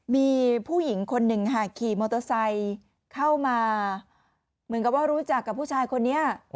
มีผู้หญิงคนหนึ่งค่ะขี่มอเตอร์ไซค์เข้ามาเหมือนกับว่ารู้จักกับผู้ชายคนนี้